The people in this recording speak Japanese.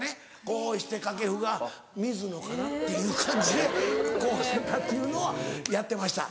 こうして掛布がミズノかな？っていう感じでこうしてたっていうのはやってました。